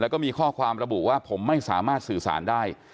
แล้วก็มีข้อความระบุว่าผมไม่สามารถสื่อสารได้